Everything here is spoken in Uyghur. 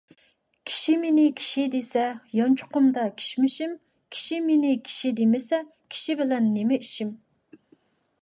كىشى مېنى كىشى دېسە، يانچۇقۇمدا كىشمىشىم. كىشى مېنى كىشى دېمىسە، كىشى بىلەن نېمە ئىشىم.